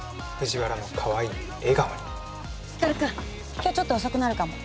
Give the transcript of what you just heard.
今日ちょっと遅くなるかも。